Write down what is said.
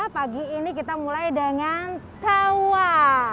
pagi ini kita mulai dengan tawa